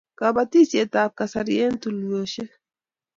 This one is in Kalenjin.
Kapatisiet ab kasari eng' tulweshek